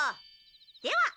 では。